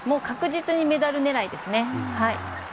確実にメダル狙いですね。